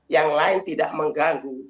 yang lain tidak mengganggu